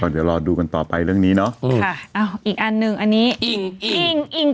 ตอนเดี๋ยวรอดูกันต่อไปเรื่องนี้เนอะอืมอีกอันหนึ่งอันนี้อิ่งเอง